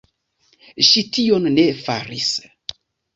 Ŝi tion ne faris.